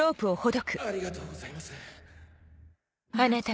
ありがとうございます。